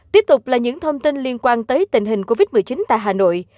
tiếp tục là những thông tin liên quan tới tình hình covid một mươi chín tại hà nội